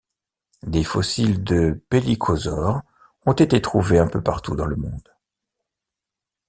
Des fossiles de pélycosaures ont été trouvés un peu partout dans le monde.